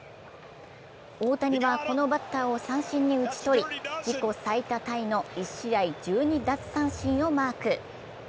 大谷はこのバッターを三振に打ち取り、事故最多タイの１試合１２奪三振をマーク。